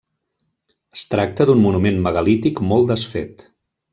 Es tracta d'un monument megalític molt desfet.